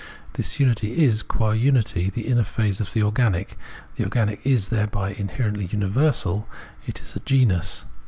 This unity is qua unity the inner phase of the organic ; the organic is thereby inherently universal, it is a genus.